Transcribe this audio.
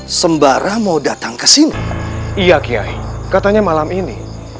hai sembarang mau datang ke sini iya kiai katanya malam ini